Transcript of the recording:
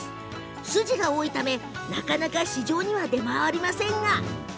筋が多いためなかなか出回りませんが。